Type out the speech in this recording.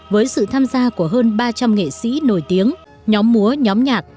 với sự tham gia của hơn ba trăm linh nghệ sĩ nổi tiếng nhóm múa nhóm nhạc